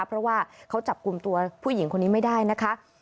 เพราะว่าเขาจับกลุ่มตัวผู้หญิงคนนี้ไม่ได้นะคะ